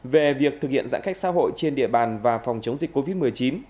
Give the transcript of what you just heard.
về việc thực hiện giãn cách xã hội trên địa bàn và phòng chống dịch covid một mươi chín